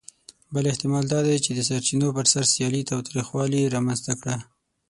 بل احتمال دا دی، چې د سرچینو پر سر سیالي تاوتریخوالي رامنځ ته کړه.